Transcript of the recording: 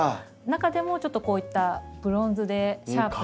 中でもちょっとこういったブロンズでシャープな。